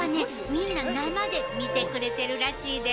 みんな生で見てくれてるらしいで。